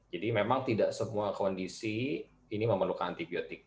jadi memang tidak semua kondisi ini memerlukan antibiotik